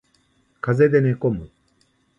風邪で寝込む